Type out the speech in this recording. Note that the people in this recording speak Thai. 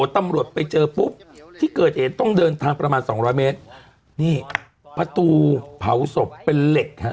ตำรวจไปเจอปุ๊บที่เกิดเหตุต้องเดินทางประมาณสองร้อยเมตรนี่ประตูเผาศพเป็นเหล็กฮะ